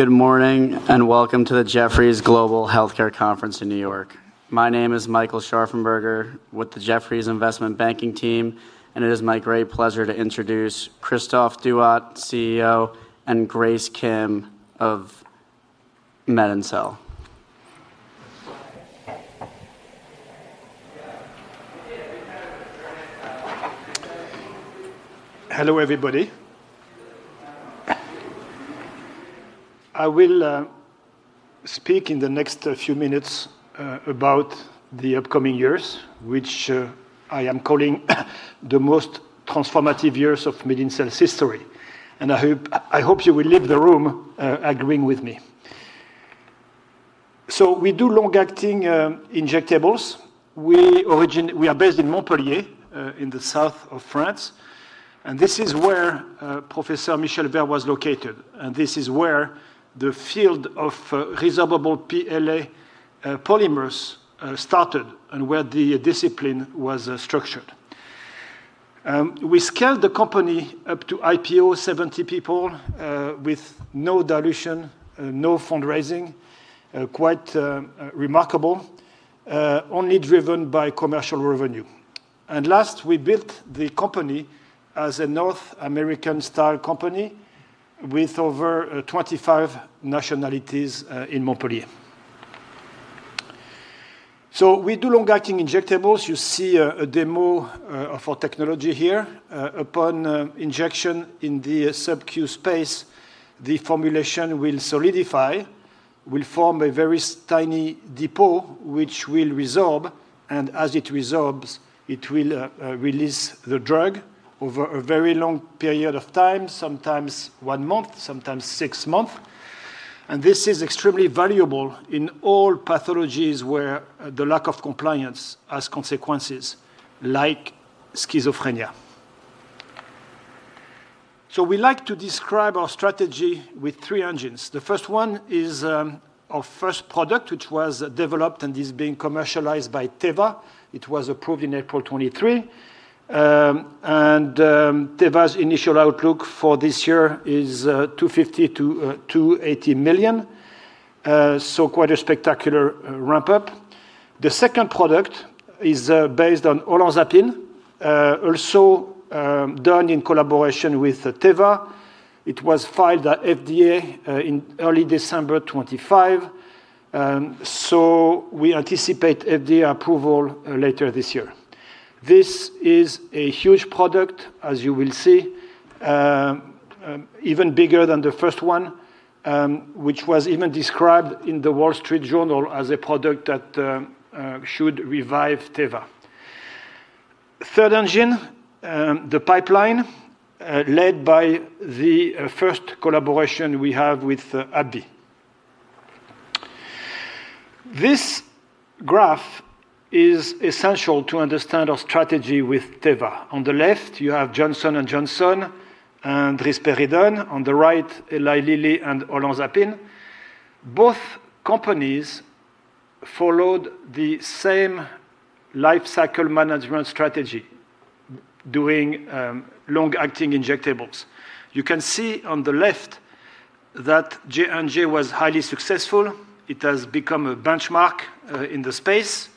Good morning. Welcome to the Jefferies Global Healthcare Conference in New York. My name is Michael Scharfenberger with the Jefferies Investment Banking team. It is my great pleasure to introduce Christophe Douat, CEO, and Grace Kim of Medincell. Hello, everybody. I will speak in the next few minutes about the upcoming years, which I am calling the most transformative years of Medincell's history, and I hope you will leave the room agreeing with me. We do long-acting injectables. We are based in Montpellier in the south of France, and this is where Professor Michel Vert was located, and this is where the field of resorbable PLA polymers started and where the discipline was structured. We scaled the company up to IPO 70 people with no dilution, no fundraising. Quite remarkable. Only driven by commercial revenue. Last, we built the company as a North American style company with over 25 nationalities in Montpellier. We do long-acting injectables. You see a demo of our technology here. Upon injection in the subcu space, the formulation will solidify, will form a very tiny depot, which will resorb, and as it resorbs, it will release the drug over a very long period of time, sometimes one month, sometimes six months. This is extremely valuable in all pathologies where the lack of compliance has consequences, like schizophrenia. We like to describe our strategy with three engines. The first one is our first product, which was developed and is being commercialized by Teva. It was approved in April 2023. Teva's initial outlook for this year is $250 million-$280 million. Quite a spectacular ramp-up. The second product is based on olanzapine, also done in collaboration with Teva. It was filed at FDA in early December 2025. We anticipate FDA approval later this year. This is a huge product, as you will see, even bigger than the first one, which was even described in The Wall Street Journal as a product that should revive Teva. Third engine, the pipeline, led by the first collaboration we have with AbbVie. This graph is essential to understand our strategy with Teva. On the left, you have Johnson & Johnson and risperidone. On the right, Eli Lilly and olanzapine. Both companies followed the same life cycle management strategy, doing long-acting injectables. You can see on the left that J&J was highly successful. It has become a benchmark in the space.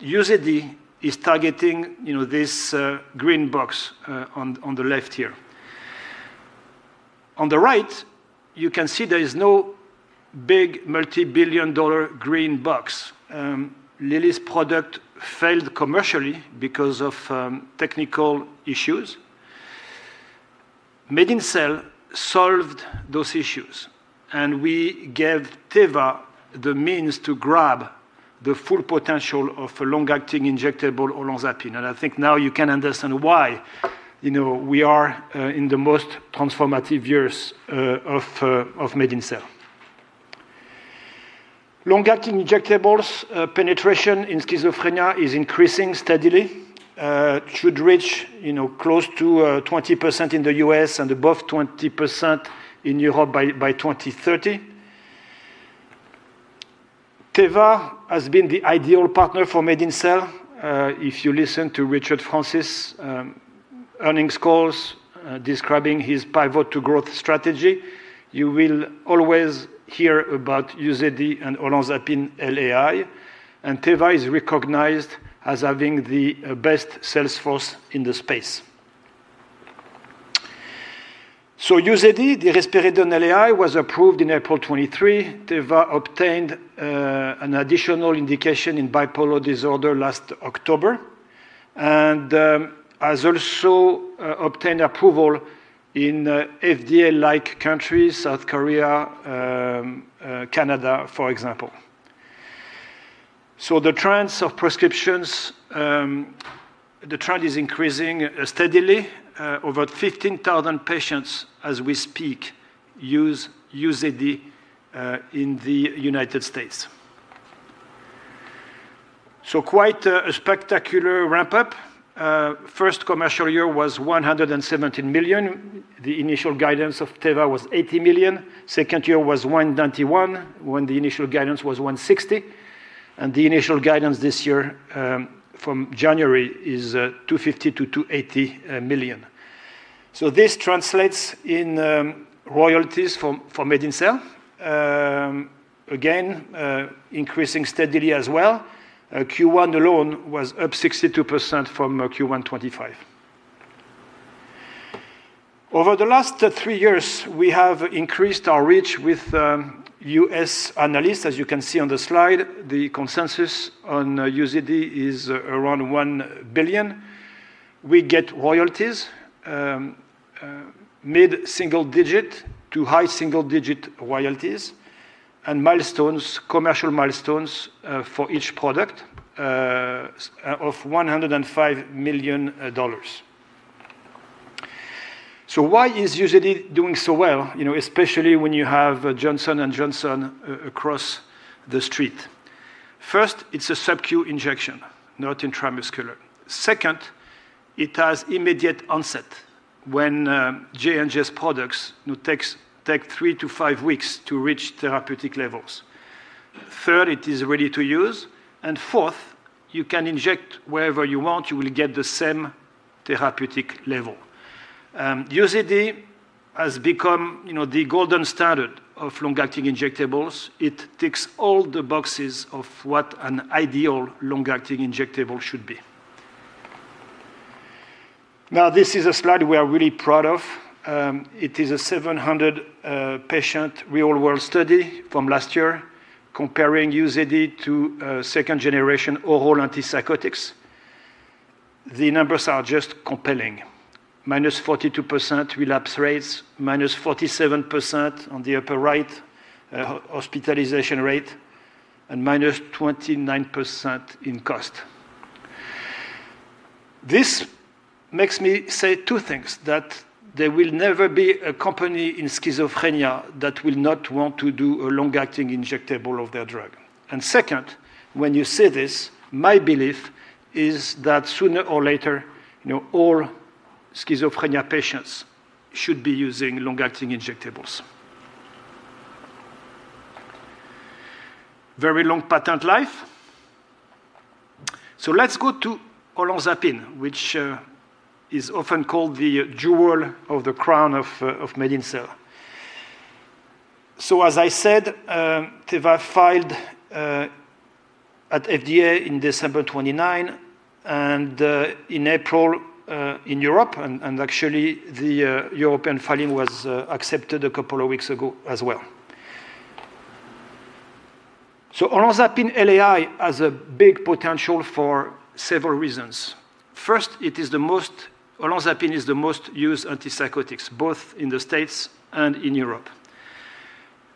UZEDY is targeting this green box on the left here. On the right, you can see there is no big multi billion-dollar green box. Lilly's product failed commercially because of technical issues. Medincell solved those issues. We gave Teva the means to grab the full potential of a long-acting injectable olanzapine. I think now you can understand why we are in the most transformative years of Medincell. Long-acting injectables penetration in schizophrenia is increasing steadily. Should reach close to 20% in the U.S. and above 20% in Europe by 2030. Teva has been the ideal partner for Medincell. If you listen to Richard Francis' earnings calls describing his pivot to growth strategy, you will always hear about UZEDY and olanzapine LAI, and Teva is recognized as having the best sales force in the space. UZEDY, the risperidone LAI, was approved in April 2023. Teva obtained an additional indication in bipolar disorder last October and has also obtained approval in FDA-like countries, South Korea, Canada, for example. The trend of prescriptions is increasing steadily. Over 15,000 patients as we speak use UZEDY in the U.S. Quite a spectacular ramp-up. First commercial year was $117 million. The initial guidance of Teva was $80 million. Second year was $191 when the initial guidance was $160. The initial guidance this year from January is $250 million-$280 million. This translates in royalties for Medincell. Again, increasing steadily as well. Q1 alone was up 62% from Q1 2025. Over the last three years, we have increased our reach with U.S. analysts. As you can see on the slide, the consensus on UZEDY is around $1 billion. We get royalties, mid-single-digit to high-single-digit royalties and commercial milestones for each product of $105 million. Why is UZEDY doing so well, especially when you have Johnson & Johnson across the street? First, it's a subcu injection, not intramuscular. Second, it has immediate onset when J&J's products take three-five weeks to reach therapeutic levels. Third, it is ready to use. Fourth, you can inject wherever you want, you will get the same therapeutic level. UZEDY has become the golden standard of long-acting injectables. It ticks all the boxes of what an ideal long-acting injectable should be. This is a slide we are really proud of. It is a 700-patient real-world study from last year comparing UZEDY to second-generation oral antipsychotics. The numbers are just compelling. -42% relapse rates, -47%, on the upper right, hospitalization rate, and -29% in cost. This makes me say two things: that there will never be a company in schizophrenia that will not want to do a long-acting injectable of their drug. Second, when you say this, my belief is that sooner or later, all schizophrenia patients should be using long-acting injectables. Very long patent life. Let's go to olanzapine, which is often called the jewel of the crown of Medincell. As I said, Teva filed at FDA in December 29th, and in April in Europe. Actually, the European filing was accepted a couple of weeks ago as well. Olanzapine LAI has a big potential for several reasons. First, olanzapine is the most used antipsychotics, both in the U.S. and in Europe.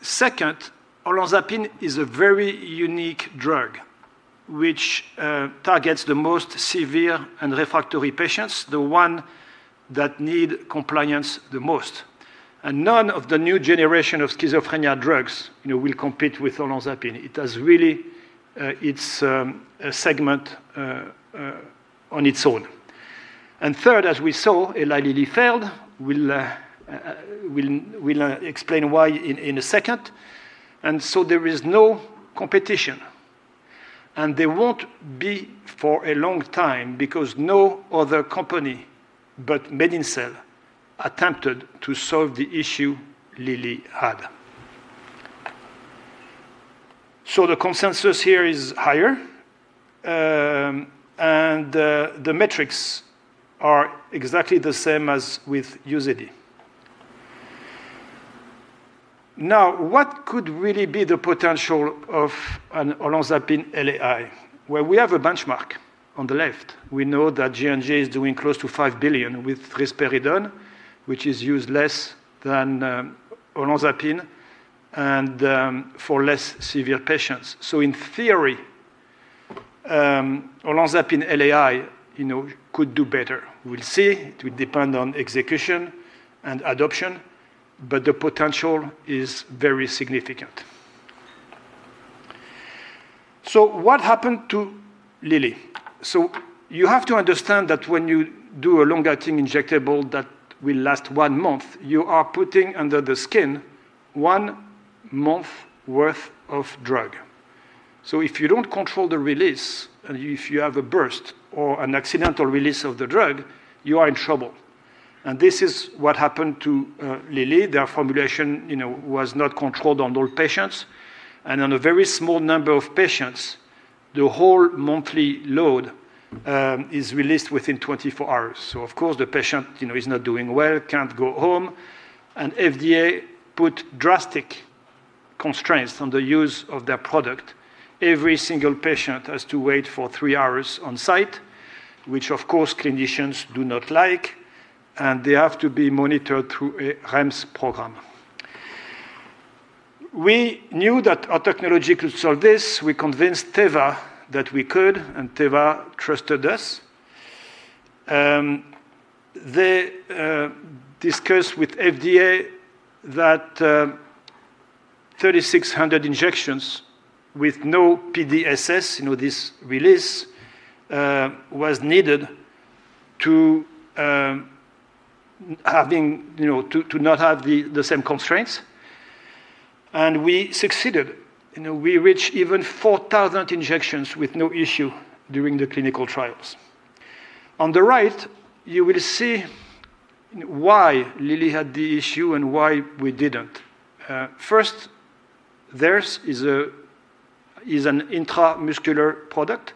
Second, olanzapine is a very unique drug which targets the most severe and refractory patients, the one that need compliance the most. None of the new generation of schizophrenia drugs will compete with olanzapine. It has really its segment on its own. Third, as we saw, Eli Lilly failed. We'll explain why in a second. There is no competition, and there won't be for a long time because no other company but Medincell attempted to solve the issue Lilly had. The consensus here is higher, and the metrics are exactly the same as with UZEDY. What could really be the potential of an olanzapine LAI? We have a benchmark on the left. We know that J&J is doing close to 5 billion with risperidone, which is used less than olanzapine and for less severe patients. In theory, olanzapine LAI could do better. We'll see. It will depend on execution and adoption, but the potential is very significant. What happened to Lilly? You have to understand that when you do a long-acting injectable that will last one month, you are putting under the skin one month worth of drug. If you don't control the release, and if you have a burst or an accidental release of the drug, you are in trouble. This is what happened to Lilly. Their formulation was not controlled on all patients. On a very small number of patients, the whole monthly load is released within 24 hours. Of course, the patient is not doing well, can't go home. FDA put drastic constraints on the use of their product. Every single patient has to wait for three hours on site, which of course, clinicians do not like, and they have to be monitored through a REMS Program. We knew that our technology could solve this. We convinced Teva that we could, and Teva trusted us. They discussed with FDA that 3,600 injections with no PDSS, this release, was needed to not have the same constraints. We succeeded. We reached even 4,000 injections with no issue during the clinical trials. On the right, you will see why Lilly had the issue and why we didn't. First, theirs is an intramuscular product,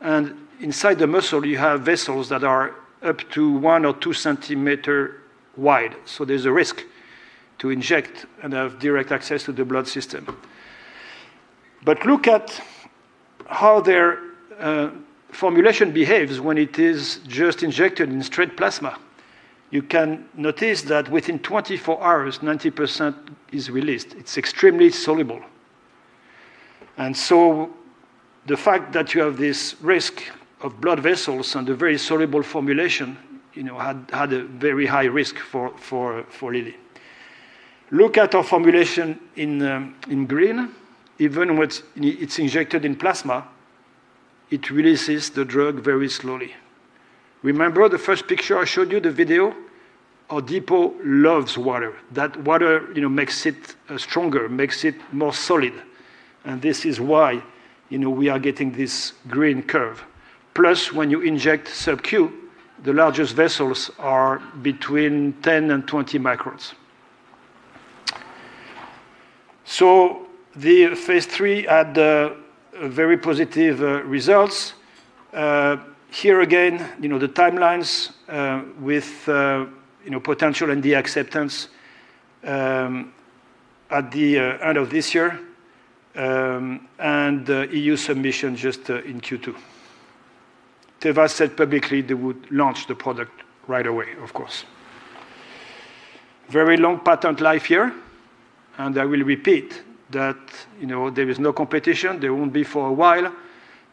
and inside the muscle you have vessels that are up to one or two cm wide. So there's a risk to inject and have direct access to the blood system. Look at how their formulation behaves when it is just injected in straight plasma. You can notice that within 24 hours, 90% is released. It's extremely soluble. The fact that you have this risk of blood vessels and a very soluble formulation, had a very high risk for Lilly. Look at our formulation in green. Even when it's injected in plasma, it releases the drug very slowly. Remember the first picture I showed you, the video? Our depot loves water. That water makes it stronger, makes it more solid, and this is why we are getting this green curve. When you inject sub-Q, the largest vessels are between 10 and 20 microns. The phase III had very positive results. Here again, the timelines, with potential and the acceptance at the end of this year, and EU submission just in Q2. Teva said publicly they would launch the product right away, of course. Very long patent life here. I will repeat that there is no competition, there won't be for a while,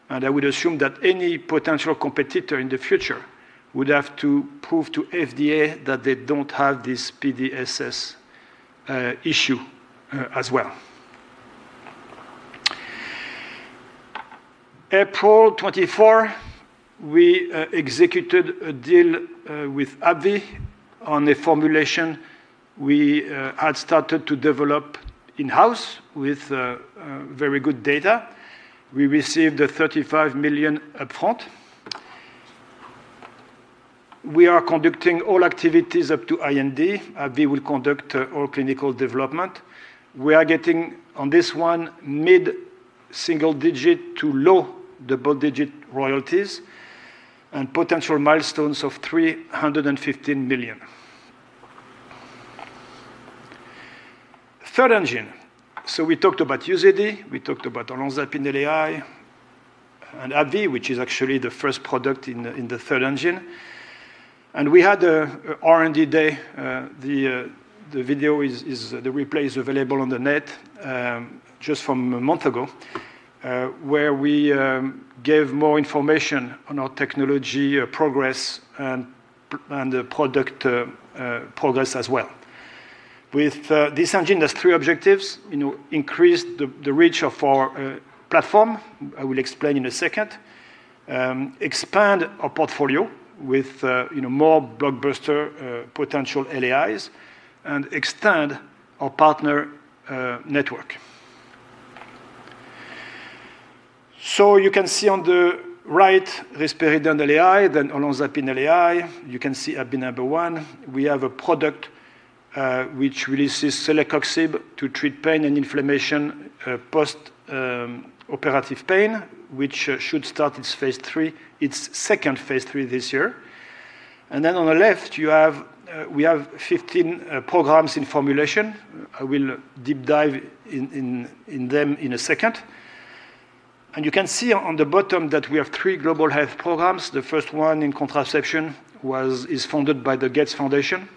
and I would assume that any potential competitor in the future would have to prove to FDA that they don't have this PDSS issue as well. April 24th, we executed a deal with AbbVie on a formulation we had started to develop in-house with very good data. We received the 35 million upfront. We are conducting all activities up to IND. AbbVie will conduct all clinical development. We are getting on this one, mid-single digit to low double-digit royalties and potential milestones of $315 million. Third engine. We talked about UZEDY, we talked about olanzapine LAI, and AbbVie, which is actually the first product in the third engine. We had a R&D day. The replay is available on the net, just from a month ago, where we gave more information on our technology progress and the product progress as well. With this engine, there's three objectives. Increase the reach of our platform, I will explain in a second. Expand our portfolio with more blockbuster potential LAIs. Extend our partner network. You can see on the right risperidone LAI, then olanzapine LAI. You can see AbbVie number one. We have a product which releases celecoxib to treat pain and inflammation, post-operative pain, which should start its phase III, its second phase III this year. On the left we have 15 programs in formulation. I will deep dive in them in a second. You can see on the bottom that we have three global health programs. The first one in contraception is funded by the Gates Foundation,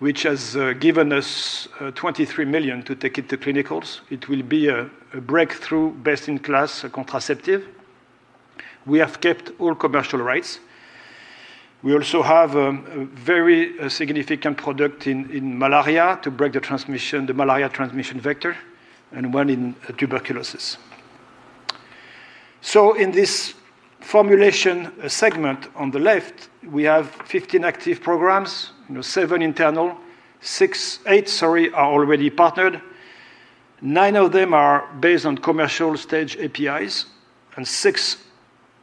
which has given us $23 million to take it to clinicals. It will be a breakthrough best-in-class contraceptive. We have kept all commercial rights. We also have a very significant product in malaria to break the malaria transmission vector, and one in tuberculosis. In this formulation segment on the left, we have 15 active programs. Seven internal, eight are already partnered. Nine of them are based on commercial-stage APIs, and six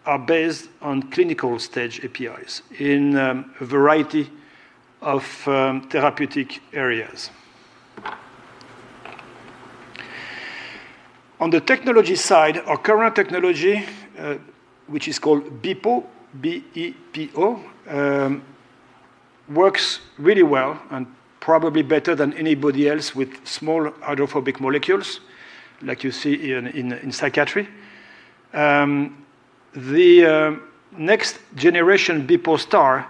are based on clinical-stage APIs in a variety of therapeutic areas. On the technology side, our current technology, which is called BEPO, B-E-P-O, works really well and probably better than anybody else with small hydrophobic molecules, like you see in psychiatry. The next generation, BEPO Star,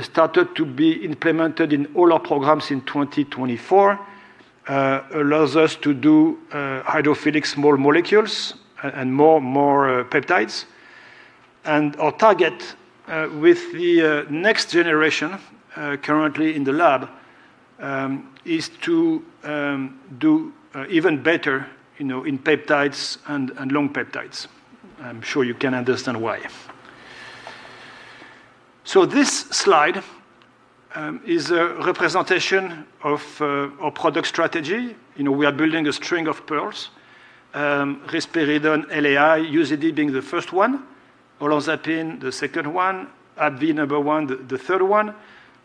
started to be implemented in all our programs in 2024. It allows us to do hydrophilic small molecules and more peptides. Our target with the next generation currently in the lab is to do even better in peptides and long peptides. I'm sure you can understand why. This slide is a representation of our product strategy. We are building a string of pearls. risperidone LAI, UZEDY being the first one, olanzapine the second one, AbbVie number one the third one,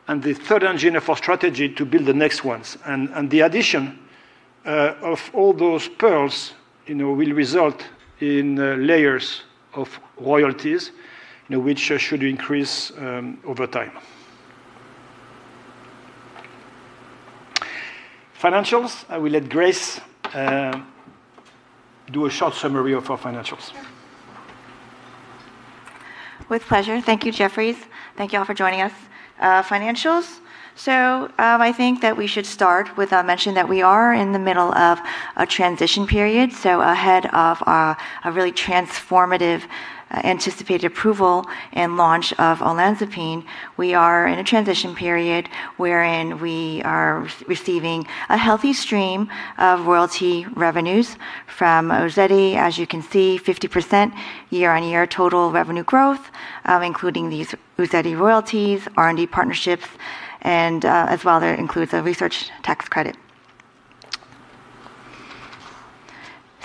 and the third engine of our strategy to build the next ones. The addition of all those pearls will result in layers of royalties, which should increase over time. Financials, I will let Grace do a short summary of our financials. Sure. With pleasure. Thank you, Jefferies. Thank you all for joining us. Financials. I think that we should start with a mention that we are in the middle of a transition period. Ahead of a really transformative anticipated approval and launch of olanzapine, we are in a transition period wherein we are receiving a healthy stream of royalty revenues from UZEDY. As you can see, 50% year-on-year total revenue growth, including these UZEDY royalties, R&D partnerships, and as well that includes a research tax credit.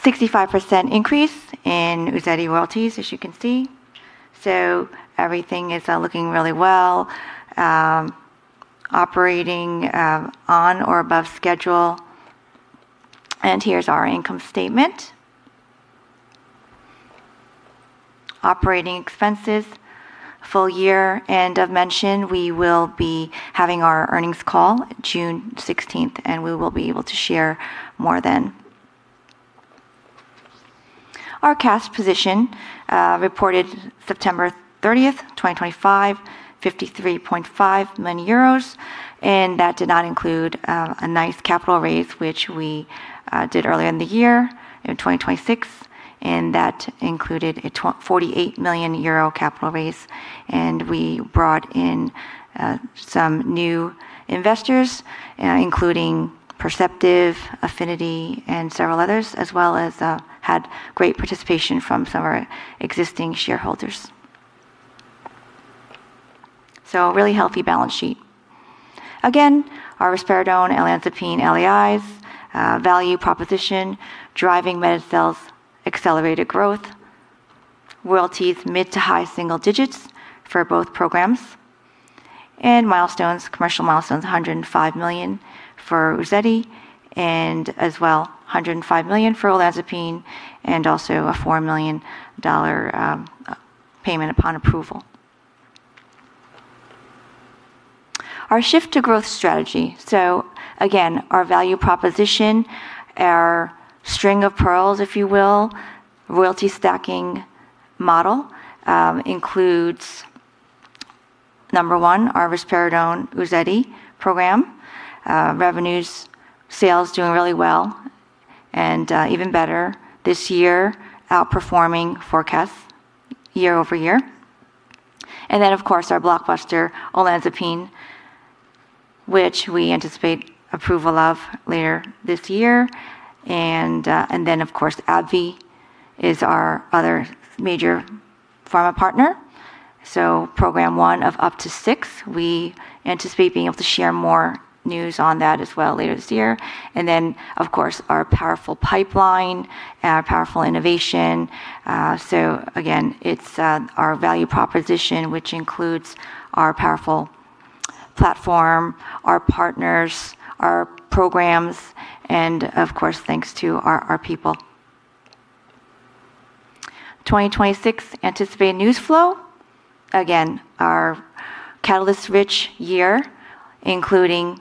65% increase in UZEDY royalties, as you can see. Everything is looking really well, operating on or above schedule. Here's our income statement. Operating expenses full year. Of mention, we will be having our earnings call June 16th, and we will be able to share more then. Our cash position reported September 30th, 2025, 53.5 million euros, and that did not include a nice capital raise, which we did earlier in the year, in 2026, and that included a 48 million euro capital raise, and we brought in some new investors, including Perceptive, Affinity, and several others, as well as had great participation from some of our existing shareholders. A really healthy balance sheet. Again, our risperidone, olanzapine LAIs value proposition driving Medincell's accelerated growth. Royalties mid to high single digits for both programs. Milestones, commercial milestones, $105 million for UZEDY and as well $105 million for olanzapine and also a 4 million payment upon approval. Our shift to growth strategy. Again, our value proposition, our string of pearls, if you will, royalty stacking model includes, number one, our risperidone UZEDY program. Revenues, sales doing really well and even better this year, outperforming forecasts year-over-year. Of course, our blockbuster olanzapine, which we anticipate approval of later this year. Of course, AbbVie is our other major pharma partner. Program one of up to six. We anticipate being able to share more news on that as well later this year. Of course, our powerful pipeline, our powerful innovation. Again, it's our value proposition, which includes our powerful platform, our partners, our programs, and of course, thanks to our people. 2026 anticipated news flow. Again, our catalyst-rich year, including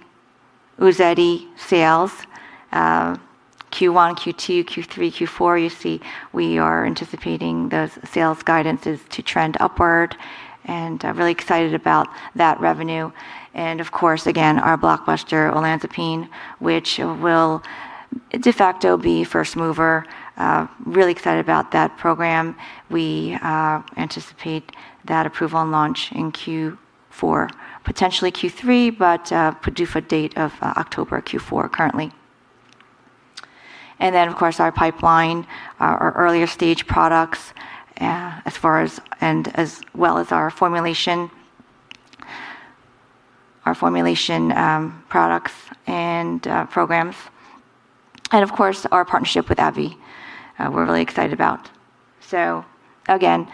UZEDY sales. Q1, Q2, Q3, Q4, you see we are anticipating those sales guidances to trend upward, and really excited about that revenue. Of course, again, our blockbuster olanzapine, which will de facto be first mover. Really excited about that program. We anticipate that approval and launch in Q4, potentially Q3, but PDUFA date of October Q4 currently. Then, of course, our pipeline, our earlier stage products, as well as our formulation products and programs. Of course, our partnership with AbbVie we're really excited about. Again,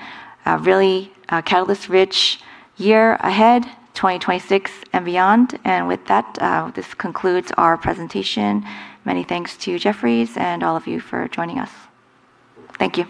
a really catalyst-rich year ahead, 2026 and beyond. With that, this concludes our presentation. Many thanks to Jefferies and all of you for joining us. Thank you